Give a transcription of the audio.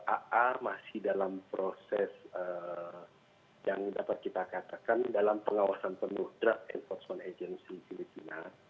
aa masih dalam proses yang dapat kita katakan dalam pengawasan penuh draft enforcement agency filipina